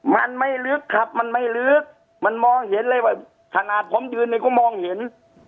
มันไม่ลึกครับมันไม่ลึกมันมองเห็นเลยว่าขนาดผมยืนเนี่ยก็มองเห็น